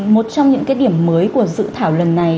một trong những cái điểm mới của dự thảo lần này